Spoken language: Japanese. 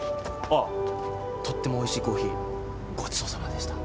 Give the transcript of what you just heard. あっとってもおいしいコーヒーごちそうさまでした。